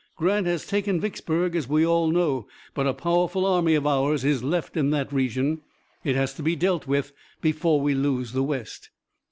Grant has taken Vicksburg, as we all know, but a powerful army of ours is left in that region. It has to be dealt with before we lose the West."